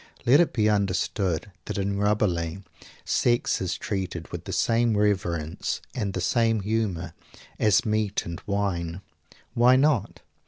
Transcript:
Let it be understood that in Rabelais sex is treated with the same reverence, and the same humor, as meat and wine. Why not?